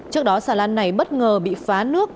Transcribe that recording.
trước đó xà lan này bất ngờ bị phá nước